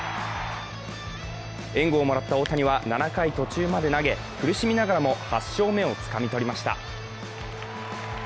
援護をもらった大谷は、７回途中まで投げ、苦しみながらも８勝目をつかみ取りました。